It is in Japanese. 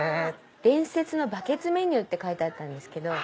伝説のバケツメニューって書いてあったんですけど。